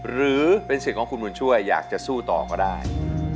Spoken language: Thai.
หรือเป็นสิทธิ์ของคุณบุญช่วยอยากจะสู้ต่อก็ได้